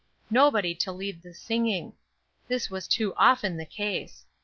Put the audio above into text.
Nobody to lead the singing. This was too often the case.